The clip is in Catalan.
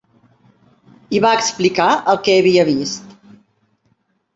I va explicar el que havia vist.